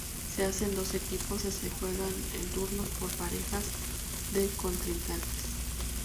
Se hacen dos equipos y se juegan en turnos por parejas de contrincantes.